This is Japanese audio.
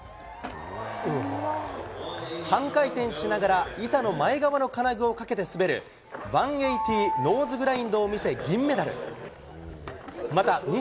半回転しながら、板の前側の金具をかけて滑る、１８０ノーズグラインドを見せ、銀メダル。